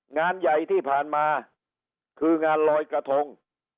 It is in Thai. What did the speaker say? งานใหญ่ที่ผ่านมาคืองานลอยกระทง